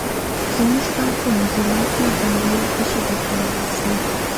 زموږ کار په موزیلا کې دا لویه تشه ډکولای شي.